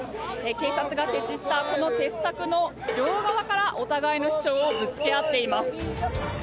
警察が設置したこの鉄柵の両側からお互いの主張をぶつけ合っています。